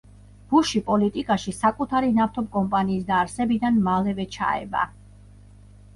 ბუში პოლიტიკაში საკუთარი ნავთობკომპანიის დაარსებიდან მალევე ჩაება.